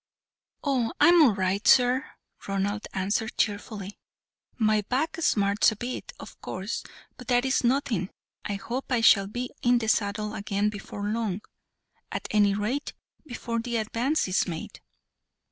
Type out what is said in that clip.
"Oh, I am all right, sir," Ronald answered cheerfully. "My back smarts a bit, of course, but that is nothing. I hope I shall be in the saddle again before long at any rate before the advance is made."